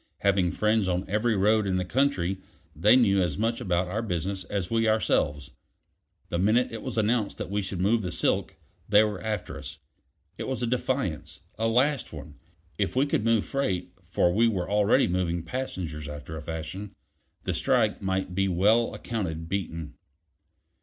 Having friends on every road in the country, they knew as much about our business as we ourselves. The minute it was announced that we should move the silk, they were after us. It was a defiance; a last one. If we could move freight for we were already moving passengers after a fashion the strike might be well accounted beaten.